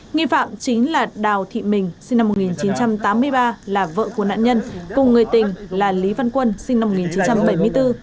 nghi phạm chính là đào thị mình sinh năm một nghìn chín trăm tám mươi ba là vợ của nạn nhân cùng người tình là lý văn quân sinh năm một nghìn chín trăm bảy mươi bốn